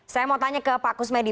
saya mau tanya ke pak kusmedi